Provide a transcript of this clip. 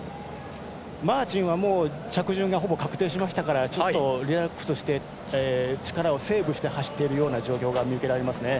マーティンは、着順がほぼ確定したのでリラックスして力をセーブして走っているような状況が見受けられます。